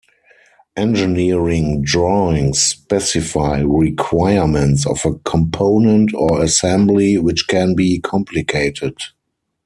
Engineering drawings specify requirements of a component or assembly which can be complicated.